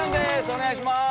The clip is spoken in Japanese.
お願いします。